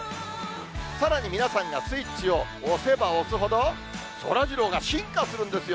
さらに皆さんがスイッチを押せば押すほど、そらジローが進化するんですよ。